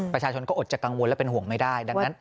ประชาชนก็อดจะกังวลและเป็นห่วงไม่ได้ดังนั้น